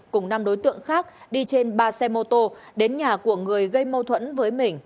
cùng năm đối tượng khác đi trên ba xe mô tô đến nhà của người gây mâu thuẫn với mình